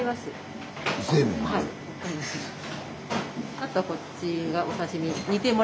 あとはこっちがお刺身。